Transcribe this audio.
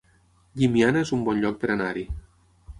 Llimiana es un bon lloc per anar-hi